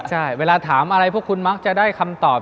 ใช่เวลาถามอะไรพวกคุณมักจะได้คำตอบ